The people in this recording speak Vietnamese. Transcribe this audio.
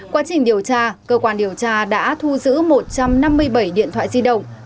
quá trình điều tra cơ quan điều tra đã thu giữ một trăm năm mươi bảy điện thoại di động